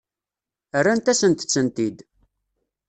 Rrant-asent-tent-id.